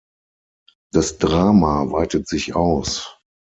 Das Drama weitet sich aus.